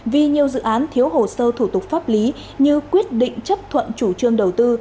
vì nhiều dự án thiếu hồ sơ thủ tục pháp lý như quyết định chấp thuận chủ trương đầu tư